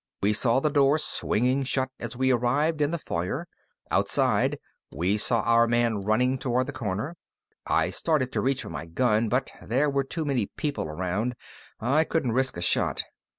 We saw the door swinging shut as we arrived in the foyer. Outside, we saw our man running toward the corner. I started to reach for my gun, but there were too many people around. I couldn't risk a shot.